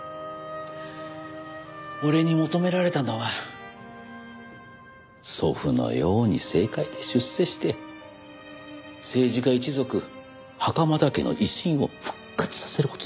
俺に求められたのは義祖父のように政界で出世して政治家一族袴田家の威信を復活させる事だった。